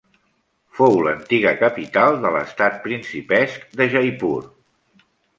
Fou l'antiga capital de l'estat principesc de Jaipur.